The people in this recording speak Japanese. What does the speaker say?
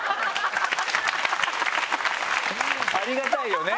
ありがたいよね